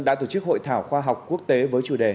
đã tổ chức hội thảo khoa học quốc tế với chủ đề